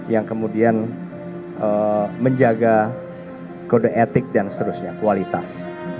yang kemudian menjaga kode etik dan seterusnya kualitas